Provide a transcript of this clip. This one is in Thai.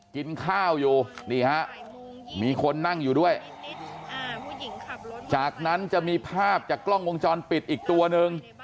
กินข้าวอยู่นี่ฮะมีคนนั่งอยู่ด้วยจากนั้นจะมีภาพจากกล้องวงจรปิดอีกตัวหนึ่ง